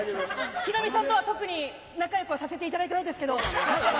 ヒロミさんとは特に仲良くさせていただいてるんですけれど。